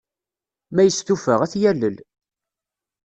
Ma yestufa, ad t-yalel.